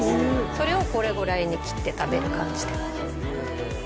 それをこれぐらいに切って食べる感じでへえ